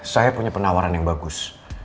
saya punya penawaran yang bagus